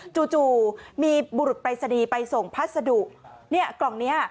จู่มีบรุษปัจสะดีไปส่งภาษาดุกล่องนี้